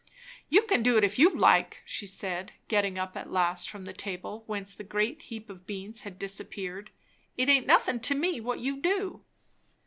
"You can do it if you like," she said, getting up at last from the table, whence the great heap of beans had disappeared. "It ain't nothin' to me what you do."